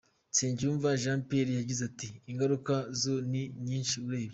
Nsengiyumva Jean Pierre yagize ati” Ingaruka zo ni nyinshi urebye.